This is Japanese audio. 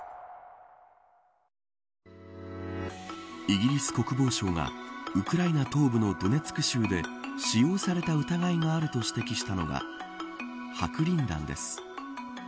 イギリス国防省がウクライナ東部のドネツク州で使用された疑いがあると指摘したのが白リン弾です。